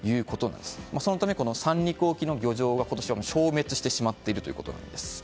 そのため三陸沖の漁場が今年は消滅してしまっているということです。